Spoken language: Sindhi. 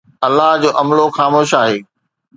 الله جو عملو خاموش آهي